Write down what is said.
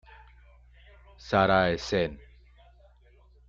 Sarah Essen.